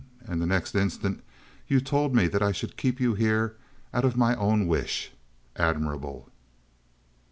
And the next instant you told me that I should keep you here out of my own wish! Admirable!"